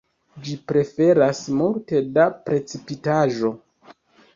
Ĝi preferas multe da precipitaĵo.